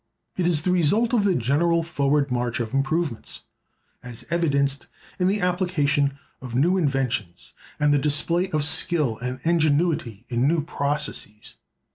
It is the result of the general forward march of improvements, as evidenced in the application of new inventions and the display of skill and ingenuity in new processes.